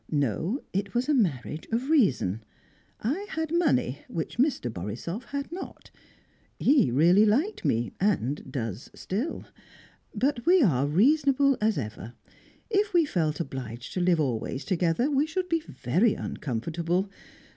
No, it was a marriage of reason. I had money, which Mr. Borisoff had not. He really liked me, and does still. But we are reasonable as ever. If we felt obliged to live always together, we should be very uncomfortable.